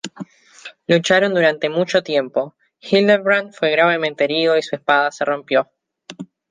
Lucharon durante mucho tiempo, Hildebrand fue gravemente herido y su espada se rompió.